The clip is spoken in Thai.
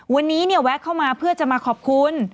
วันนี้เนี่ยแวะเข้ามาเพื่อจะมาขอบคุณ